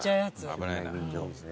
危ないな。